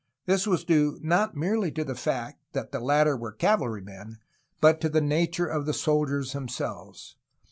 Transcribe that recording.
This was due not merely to the fact that the latter were cavalrymen, but to the nature of the soldiers themselves.